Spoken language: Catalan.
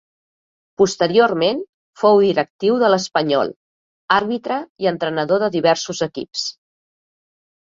Posteriorment fou directiu de l'Espanyol, àrbitre i entrenador de diversos equips.